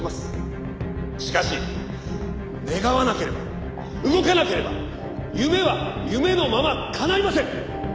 「しかし願わなければ動かなければ夢は夢のままかないません！」